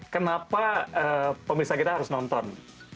kenapa pemirsa kita harus nonton